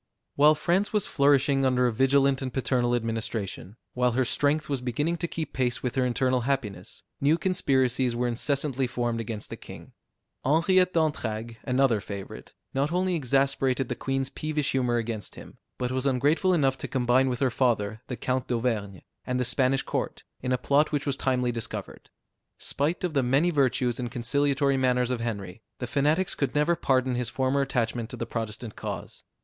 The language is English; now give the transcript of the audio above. While France was flourishing under a vigilant and paternal administration, while her strength was beginning to keep pace with her internal happiness, new conspiracies were incessantly formed against the king. Henriette d'Entragues, another favorite, not only exasperated the Queen's peevish humor against him, but was ungrateful enough to combine with her father, the Count d'Auvergne, and the Spanish Court, in a plot which was timely discovered. Spite of the many virtues and conciliatory manners of Henry, the fanatics could never pardon his former attachment to the Protestant cause.